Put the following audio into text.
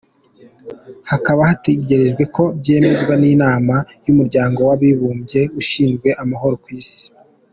Hakaba hategerejwe ko byemezwa n’inama y’umuryango w’abibumbye ishinzwe amahoro kw’isi.